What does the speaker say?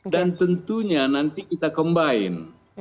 dan tentunya nanti kita combine